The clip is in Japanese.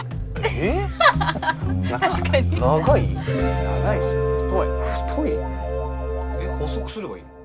えっ細くすればいいの？